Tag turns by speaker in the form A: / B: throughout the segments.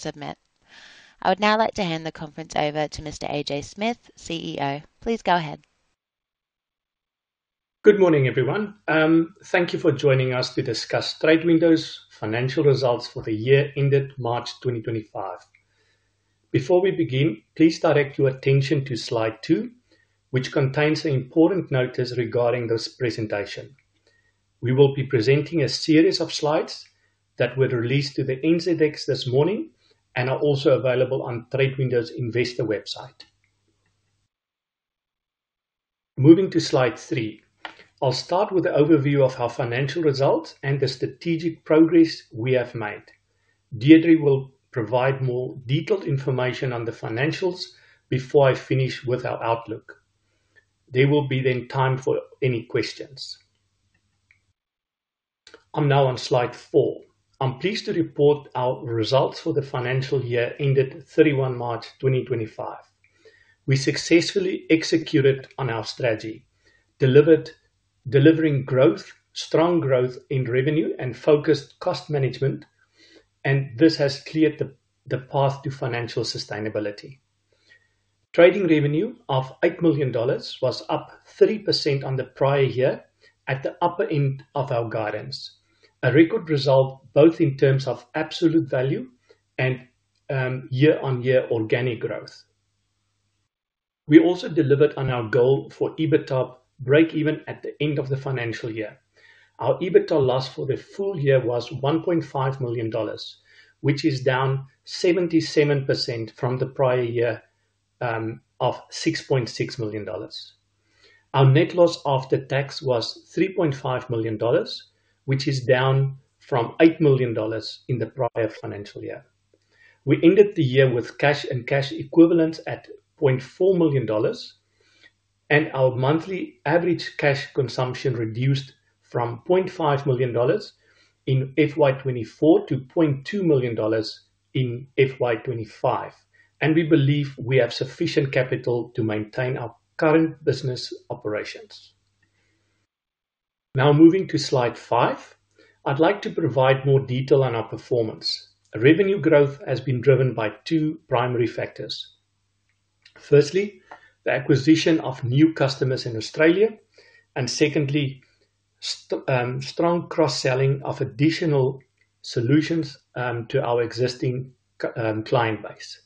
A: Submit. I would now like to hand the conference over to Mr. AJ Smith, CEO. Please go ahead.
B: Good morning, everyone. Thank you for joining us to discuss TradeWindow's financial results for the year ended March 2025. Before we begin, please direct your attention to slide 2, which contains the important notice regarding this presentation. We will be presenting a series of slides that were released to the NZX this morning and are also available on TradeWindow's investor website. Moving to slide three, I'll start with an overview of our financial results and the strategic progress we have made. Deidre will provide more detailed information on the financials before I finish with our outlook. There will be then time for any questions. I'm now on slide 4. I'm pleased to report our results for the financial year ended 31 March 2025. We successfully executed on our strategy, delivered growth, strong growth in revenue, and focused cost management, and this has cleared the path to financial sustainability. Trading revenue of 8 million dollars was up 3% on the prior year, at the upper end of our guidance, a record result both in terms of absolute value and year-on-year organic growth. We also delivered on our goal for EBITDA break-even at the end of the financial year. Our EBITDA loss for the full year was 1.5 million dollars, which is down 77% from the prior year, of 6.6 million dollars. Our net loss after tax was 3.5 million dollars, which is down from 8 million dollars in the prior financial year. We ended the year with cash and cash equivalents at 0.4 million dollars, and our monthly average cash consumption reduced from 0.5 million dollars in FY2024 to 0.2 million dollars in FY2025, and we believe we have sufficient capital to maintain our current business operations. Now, moving to slide 5, I'd like to provide more detail on our performance. Revenue growth has been driven by two primary factors. Firstly, the acquisition of new customers in Australia, and secondly, strong cross-selling of additional solutions to our existing client base.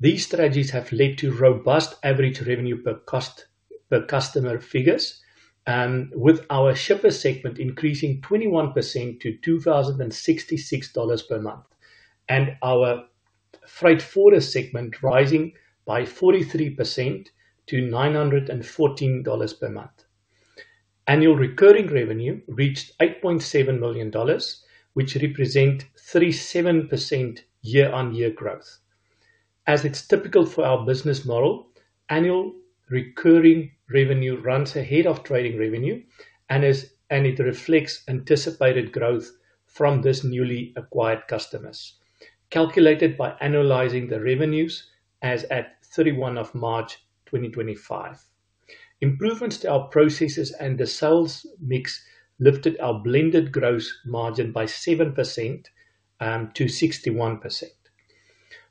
B: These strategies have led to robust average revenue per customer figures, with our shipper segment increasing 21% to 2,066 dollars per month, and our freight forwarder segment rising by 43% to 914 dollars per month. Annual Recurring Revenue reached 8.7 million dollars, which represents 37% year-on-year growth. As it's typical for our business model, annual recurring revenue runs ahead of trading revenue, and it reflects anticipated growth from these newly acquired customers, calculated by annualizing the revenues as at 31 March 2025. Improvements to our processes and the sales mix lifted our blended gross margin by 7% to 61%.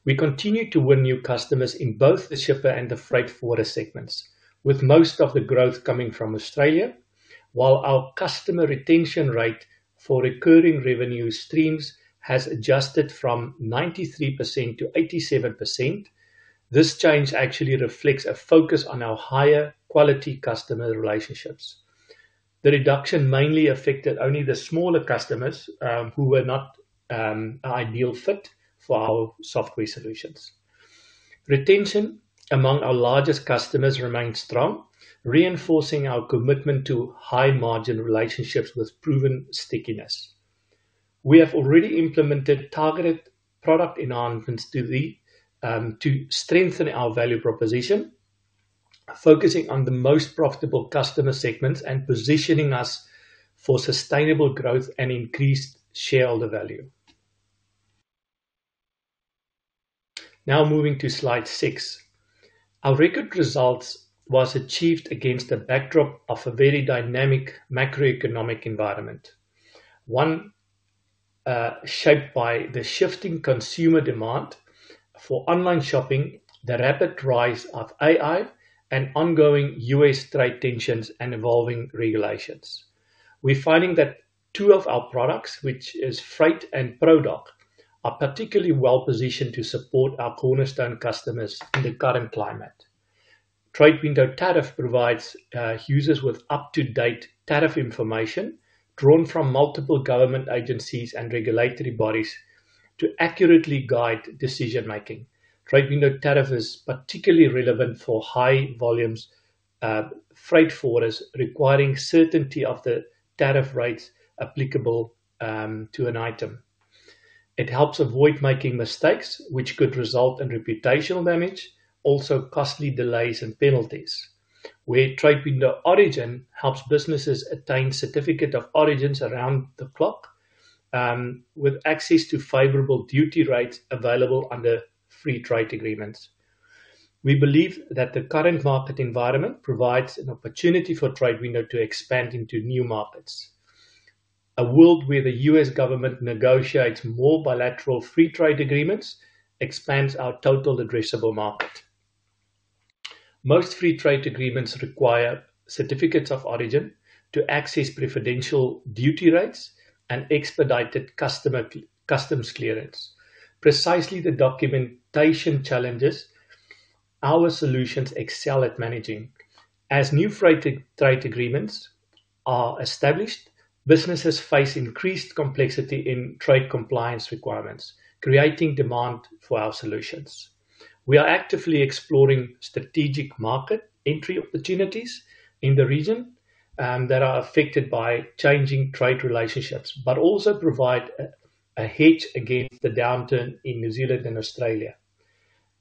B: We continue to win new customers in both the shipper and the freight forwarder segments, with most of the growth coming from Australia, while our customer retention rate for recurring revenue streams has adjusted from 93% to 87%. This change actually reflects a focus on our higher quality customer relationships. The reduction mainly affected only the smaller customers, who were not an ideal fit for our software solutions. Retention among our largest customers remained strong, reinforcing our commitment to high-margin relationships with proven stickiness. We have already implemented targeted product enhancements to strengthen our value proposition, focusing on the most profitable customer segments and positioning us for sustainable growth and increased shareholder value. Now, moving to slide six, our record results were achieved against a backdrop of a very dynamic macroeconomic environment, one shaped by the shifting consumer demand for online shopping, the rapid rise of AI, and ongoing U.S. trade tensions and evolving regulations. We're finding that two of our products, which are Freight and Prodoc, are particularly well-positioned to support our cornerstone customers in the current climate. TradeWindow Tariff provides users with up-to-date tariff information drawn from multiple government agencies and regulatory bodies to accurately guide decision-making. TradeWindow Tariff is particularly relevant for high-volume freight forwarders requiring certainty of the tariff rates applicable to an item. It helps avoid making mistakes, which could result in reputational damage, also costly delays and penalties, where TradeWindow Origin helps businesses attain certificates of origin around the clock, with access to favorable duty rates available under free trade agreements. We believe that the current market environment provides an opportunity for TradeWindow to expand into new markets. A world where the U.S. government negotiates more bilateral free trade agreements expands our total addressable market. Most free trade agreements require certificates of origin to access preferential duty rates and expedited customer customs clearance. Precisely the documentation challenges our solutions excel at managing. As new freight trade agreements are established, businesses face increased complexity in trade compliance requirements, creating demand for our solutions. We are actively exploring strategic market entry opportunities in the region that are affected by changing trade relationships, but also provide a hedge against the downturn in New Zealand and Australia.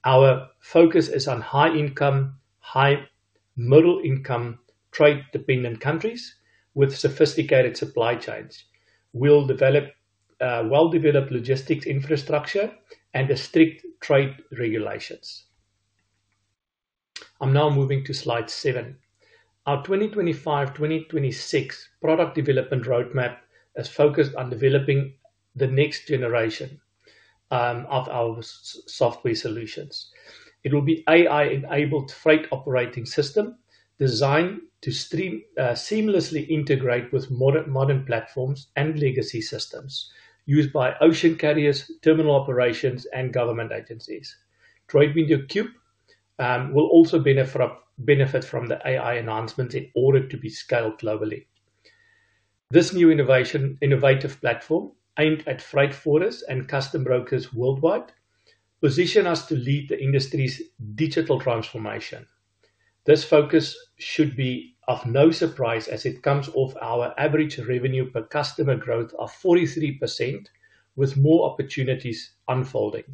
B: Our focus is on high-income, high-middle-income trade-dependent countries with sophisticated supply chains, well-developed logistics infrastructure, and strict trade regulations. I'm now moving to slide 7. Our 2025-2026 product development roadmap is focused on developing the next generation of our software solutions. It will be an AI-enabled freight operating system designed to seamlessly integrate with modern platforms and legacy systems used by ocean carriers, terminal operations, and government agencies. TradeWindow Cube will also benefit from the AI enhancements in order to be scaled globally. This new innovative platform aimed at freight forwarders and customs brokers worldwide positions us to lead the industry's digital transformation. This focus should be of no surprise as it comes off our average revenue per customer growth of 43%, with more opportunities unfolding.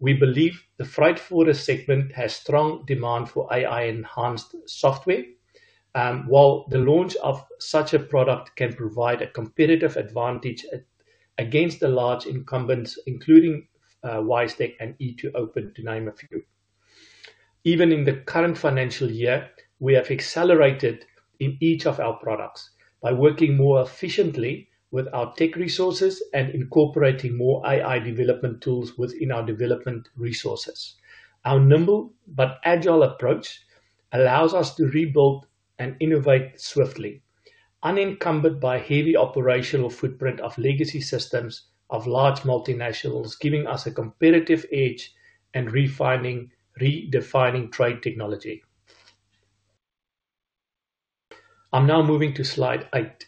B: We believe the freight forwarder segment has strong demand for AI-enhanced software, while the launch of such a product can provide a competitive advantage against the large incumbents, including WiseTech and e2open, to name a few. Even in the current financial year, we have accelerated in each of our products by working more efficiently with our tech resources and incorporating more AI development tools within our development resources. Our nimble but agile approach allows us to rebuild and innovate swiftly, unencumbered by the heavy operational footprint of legacy systems of large multinationals, giving us a competitive edge and refining redefining trade technology. I'm now moving to slide 8.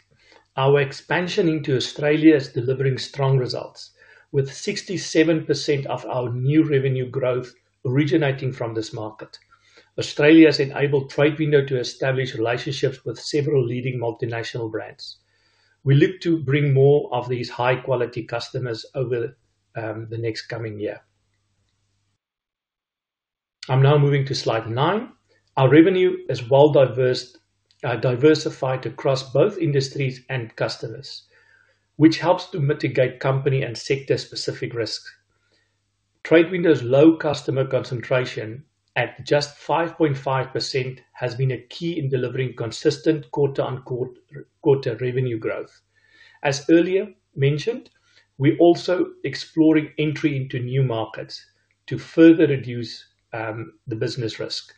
B: Our expansion into Australia is delivering strong results, with 67% of our new revenue growth originating from this market. Australia has enabled TradeWindow to establish relationships with several leading multinational brands. We look to bring more of these high-quality customers over the next coming year. I'm now moving to slide 9. Our revenue is well diversified across both industries and customers, which helps to mitigate company and sector-specific risks. TradeWindow's low customer concentration at just 5.5% has been a key in delivering consistent quarter-on-quarter revenue growth. As earlier mentioned, we're also exploring entry into new markets to further reduce the business risk.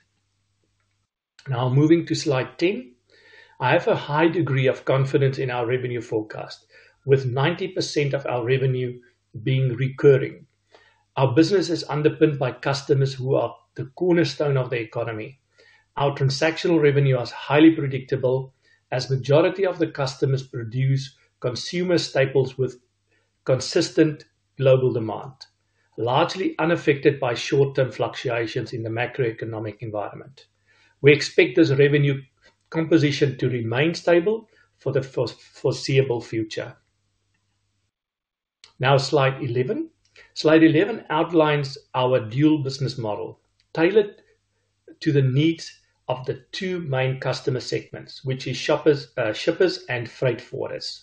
B: Now, moving to slide 10, I have a high degree of confidence in our revenue forecast, with 90% of our revenue being recurring. Our business is underpinned by customers who are the cornerstone of the economy. Our transactional revenue is highly predictable as the majority of the customers produce consumer staples with consistent global demand, largely unaffected by short-term fluctuations in the macroeconomic environment. We expect this revenue composition to remain stable for the foreseeable future. Now, slide 11. Slide 11 outlines our dual business model tailored to the needs of the two main customer segments, which are shippers and freight forwarders.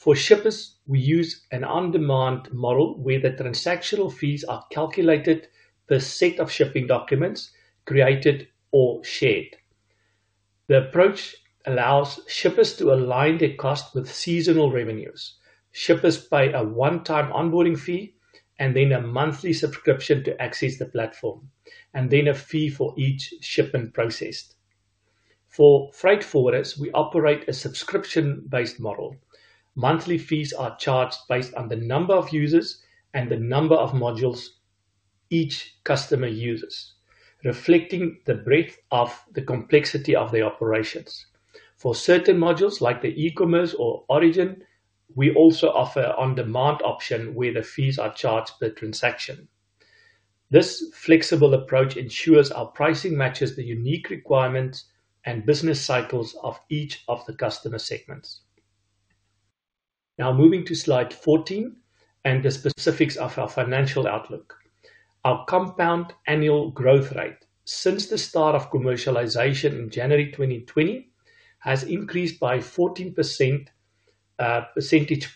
B: For shippers, we use an on-demand model where the transactional fees are calculated per set of shipping documents created or shared. The approach allows shippers to align their costs with seasonal revenues, shippers pay a one-time onboarding fee and then a monthly subscription to access the platform, and then a fee for each shipment processed. For freight forwarders, we operate a subscription-based model. Monthly fees are charged based on the number of users and the number of modules each customer uses, reflecting the breadth of the complexity of their operations. For certain modules, like the e-commerce or Origin, we also offer an on-demand option where the fees are charged per transaction. This flexible approach ensures our pricing matches the unique requirements and business cycles of each of the customer segments. Now, moving to slide fourteen and the specifics of our financial outlook. Our compound annual growth rate since the start of commercialization in January 2020 has increased by 14 percentage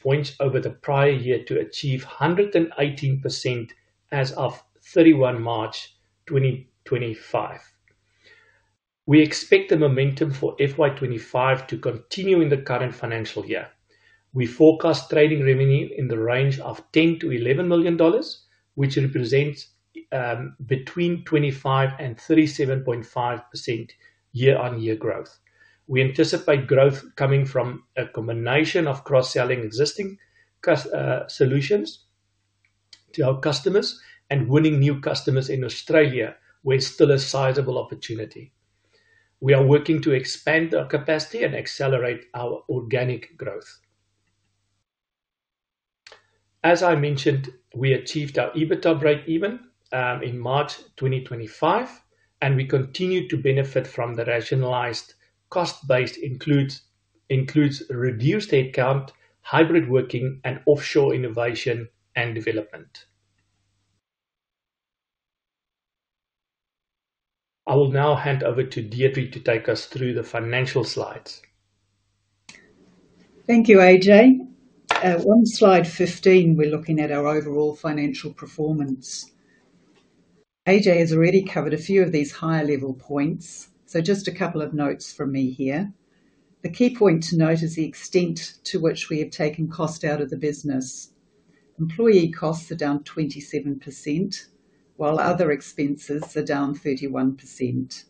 B: points over the prior year to achieve 118% as of 31 March 2025. We expect the momentum for FY25 to continue in the current financial year. We forecast trading revenue in the range of 10 million-11 million dollars, which represents between 25% and 37.5% year-on-year growth. We anticipate growth coming from a combination of cross-selling existing solutions to our customers and winning new customers in Australia, where it's still a sizable opportunity. We are working to expand our capacity and accelerate our organic growth. As I mentioned, we achieved our EBITDA break-even in March 2025, and we continue to benefit from the rationalized cost base, which includes reduced headcount, hybrid working, and offshore innovation and development. I will now hand over to Deidre to take us through the financial slides.
C: Thank you, AJ. On slide fifteen, we're looking at our overall financial performance. AJ has already covered a few of these higher-level points, so just a couple of notes from me here. The key point to note is the extent to which we have taken cost out of the business. Employee costs are down 27%, while other expenses are down 31%.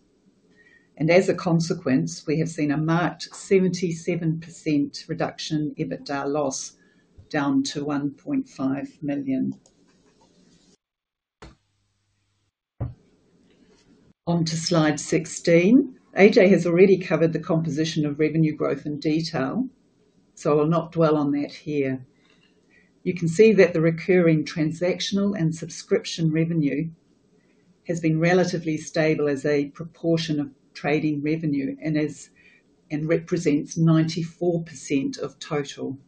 C: As a consequence, we have seen a marked 77% reduction in EBITDA loss, down to 1.5 million. On to slide 16. AJ has already covered the composition of revenue growth in detail, so I'll not dwell on that here. You can see that the recurring transactional and subscription revenue has been relatively stable as a proportion of trading revenue and represents 94% of total.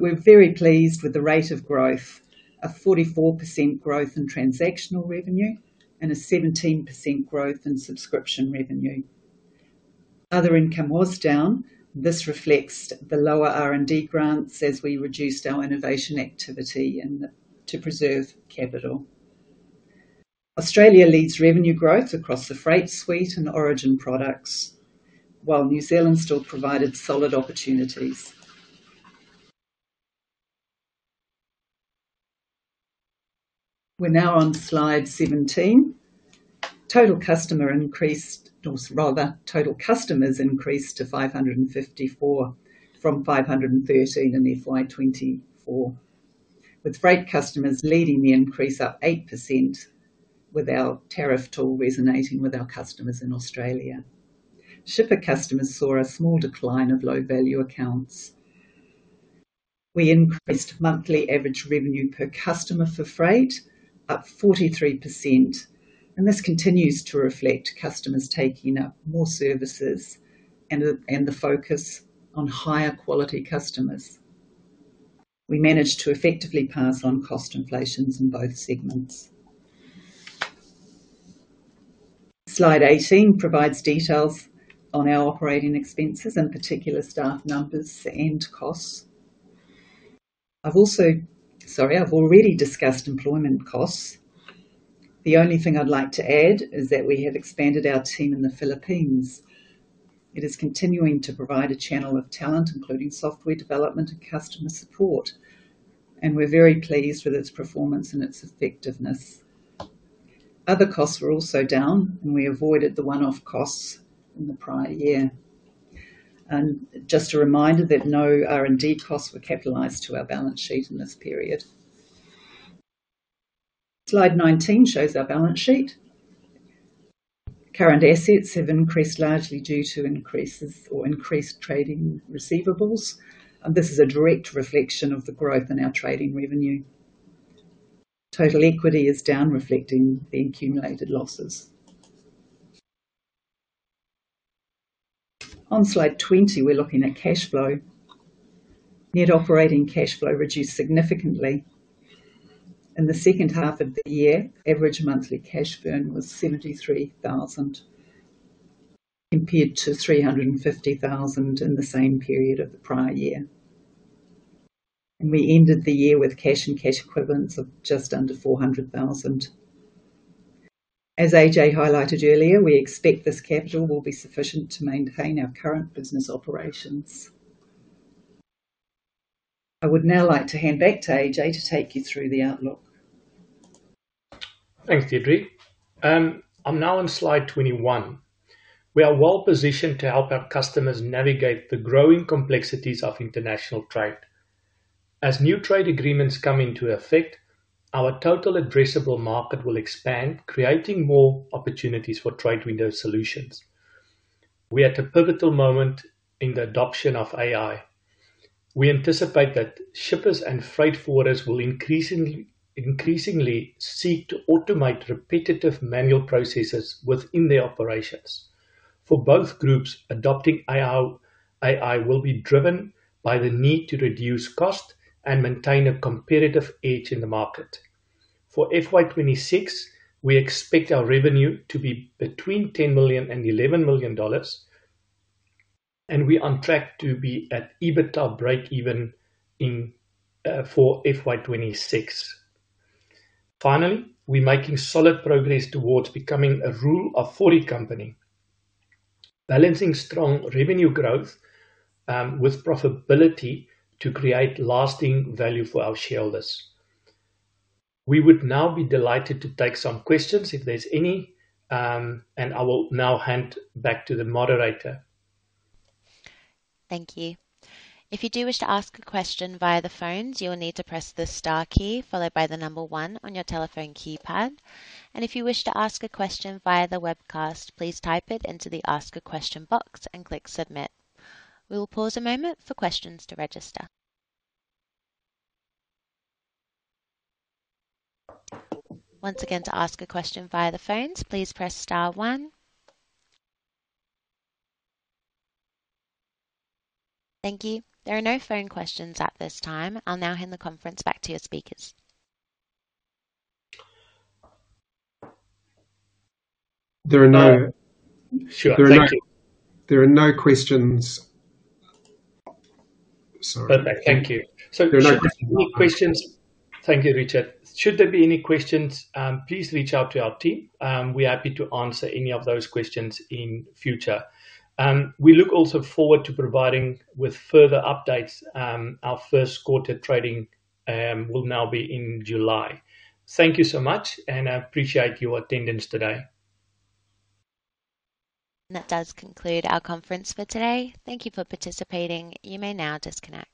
C: We are very pleased with the rate of growth, a 44% growth in transactional revenue and a 17% growth in subscription revenue. Other income was down. This reflects the lower R&D grants as we reduced our innovation activity to preserve capital. Australia leads revenue growth across the Freight suite and Origin products, while New Zealand still provided solid opportunities. We are now on slide seventeen. Total customers increased to 554 from 513 in FY2024, with Freight customers leading the increase, up 8%, with our Tariff tool resonating with our customers in Australia. Shipper customers saw a small decline of low-value accounts. We increased monthly average revenue per customer for Freight up 43%, and this continues to reflect customers taking up more services and the focus on higher-quality customers. We managed to effectively pass on cost inflations in both segments. Slide 18 provides details on our operating expenses, in particular staff numbers and costs. I've also, sorry, I've already discussed employment costs. The only thing I'd like to add is that we have expanded our team in the Philippines. It is continuing to provide a channel of talent, including software development and customer support, and we're very pleased with its performance and its effectiveness. Other costs were also down, and we avoided the one-off costs in the prior year. Just a reminder that no R&D costs were capitalized to our balance sheet in this period. Slide 19 shows our balance sheet. Current assets have increased largely due to increases or increased trading receivables. This is a direct reflection of the growth in our trading revenue. Total equity is down, reflecting the accumulated losses. On slide twenty, we're looking at cash flow. Net operating cash flow reduced significantly. In the second half of the year, average monthly cash burn was 73,000, compared to 350,000 in the same period of the prior year. We ended the year with cash and cash equivalents of just under 400,000. As AJ highlighted earlier, we expect this capital will be sufficient to maintain our current business operations. I would now like to hand back to AJ to take you through the outlook.
B: Thanks, Deidre. I'm now on slide 21. We are well positioned to help our customers navigate the growing complexities of international trade. As new trade agreements come into effect, our total addressable market will expand, creating more opportunities for TradeWindow Solutions. We're at a pivotal moment in the adoption of AI. We anticipate that shippers and freight forwarders will increasingly seek to automate repetitive manual processes within their operations. For both groups, adopting AI will be driven by the need to reduce costs and maintain a competitive edge in the market. For FY2026, we expect our revenue to be between 10 million and 11 million dollars, and we are on track to be at EBITDA break-even in, for FY2026. Finally, we're making solid progress towards becoming a rule of [40] company. Balancing strong revenue growth, with profitability to create lasting value for our shareholders. We would now be delighted to take some questions if there's any, and I will now hand back to the moderator.
A: Thank you. If you do wish to ask a question via the phones, you'll need to press the star key followed by the number one on your telephone keypad. If you wish to ask a question via the webcast, please type it into the ask a question box and click submit. We will pause a moment for questions to register. Once again, to ask a question via the phones, please press star one. Thank you. There are no phone questions at this time. I'll now hand the conference back to your speakers. There are no questions. Sorry.Perfect. Thank you. Should there be any questions.
B: Thank you, Richard. Should there be any questions, please reach out to our team. We're happy to answer any of those questions in future. We look also forward to providing further updates. Our first quarter trading will now be in July. Thank you so much, and I appreciate your attendance today.
A: That does conclude our conference for today. Thank you for participating. You may now disconnect.